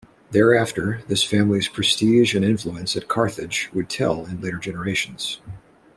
Thereafter, this family's prestige and influence at Carthage would tell in later generations.